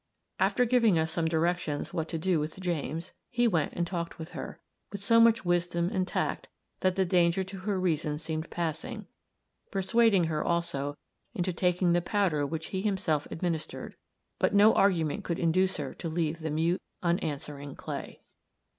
After giving us some directions what to do with James, he went and talked with her, with so much wisdom and tact, that the danger to her reason seemed passing; persuading her also into taking the powder which he himself administered; but no argument could induce her to leave the mute, unanswering clay.